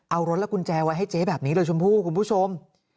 เอารถและกุญแจไว้ให้เจ๊แบบนี้เลยชมพู่คุณผู้ชม